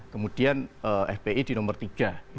kemudian fpi di nomor tiga